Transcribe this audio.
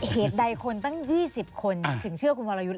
เหตุใดคนตั้ง๒๐คนถึงเชื่อคุณวรยุทธ์